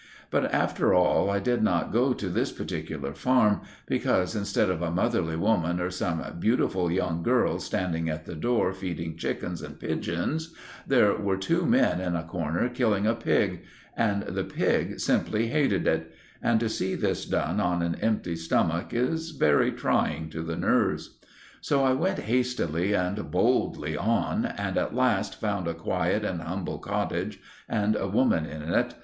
But, after all, I did not go to this particular farm, because, instead of a motherly woman or some beautiful young girl standing at the door feeding chickens and pigeons, there were two men in a corner killing a pig, and the pig simply hated it; and to see this done on an empty stomach is very trying to the nerves. So I went hastily and boldly on, and at last found a quiet and humble cottage and a woman in it.